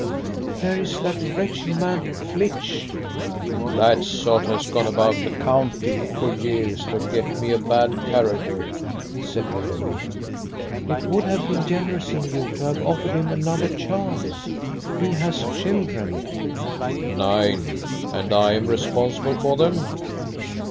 "There is that wretched man Flitch." "That sot has gone about the county for years to get me a bad character," said Willoughby. "It would have been generous in you to have offered him another chance. He has children." "Nine. And I am responsible for them?"